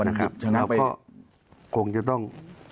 เราก็คงจะต้อง